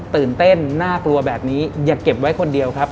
ตื่นเต้นน่ากลัวแบบนี้อย่าเก็บไว้คนเดียวครับ